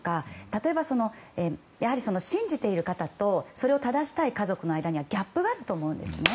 例えば、信じている方とそれを正したい家族の間にはギャップがあると思うんですね。